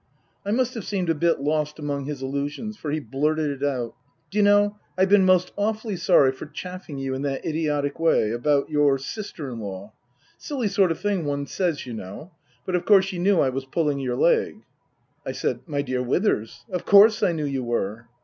I must have seemed a bit lost among his allusions, for he blurted it out. " D'you know, I've been most awfully sorry for chaffing you in that idiotic way about your sister in law. Silly sort of thing one says, you know. But of course you knew I was pulling your leg." I said, " My dear Withers, of course I knew you were."